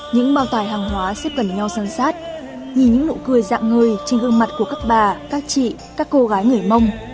những bao tài hàng hóa xếp gần nhau sân sát nhìn những nụ cười dạng ngời trên gương mặt của các bà các chị các cô gái người mông